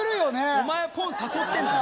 お前がポン誘ってんだよ。